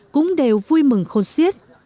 cũng đều vui mừng khôn siết